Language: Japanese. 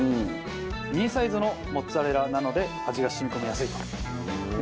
ミニサイズのモッツァレラなので味が染み込みやすいと。